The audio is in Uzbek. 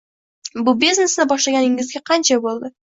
— Bu biznesni boshlaganingizga qancha boʻldi?